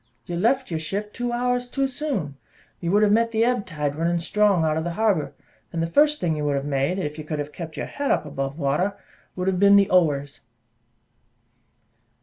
"You left your ship two hours too soon: you would have met the ebb tide running strong out of the harbour; and the first thing you would have made, if you could have kept up your head above water, would have been the Ower's."